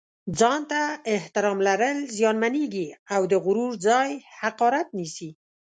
ځان ته احترام لرل زیانمېږي او د غرور ځای حقارت نیسي.